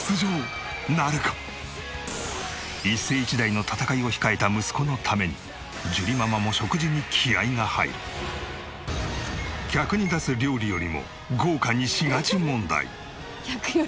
一世一代の戦いを控えた息子のために樹里ママも客に出す料理よりも豪華にしがち問題。